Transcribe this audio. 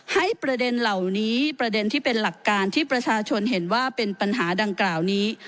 ประเด็นเหล่านี้ประเด็นที่เป็นหลักการที่ประชาชนเห็นว่าเป็นปัญหาดังกล่าวนี้